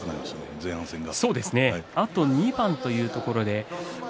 前半戦が。